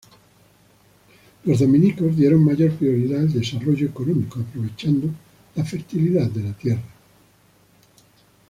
Los dominicos dieron mayor prioridad al desarrollo económico, aprovechando la fertilidad de la tierra.